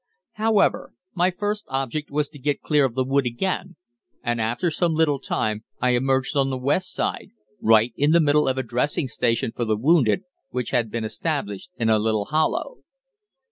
"However, my first object was to get clear of the wood again, and after some little time I emerged on the west side, right in the middle of a dressing station for the wounded, which had been established in a little hollow.